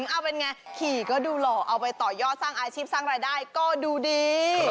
เอาเป็นไงขี่ก็ดูหล่อเอาไปต่อยอดสร้างอาชีพสร้างรายได้ก็ดูดี